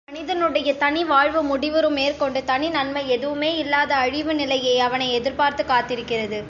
மரணத்துடன் மனிதனுடைய தனி வாழ்வு முடிவுறும் மேற்கொண்டு தனி நன்மை எதுவுமேயில்லாத அழிவு நிலையே அவனை எதிர்பார்த்துக் காத்திருக்கிறது.